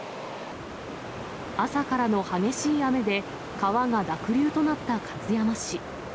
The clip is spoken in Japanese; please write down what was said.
朝からの激しい雨で、川が濁流となった勝山市。